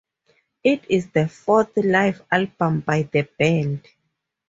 It is the fourth live album by the band.